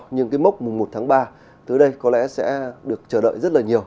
nhưng cái mốc mùng một tháng ba tới đây có lẽ sẽ được chờ đợi rất là nhiều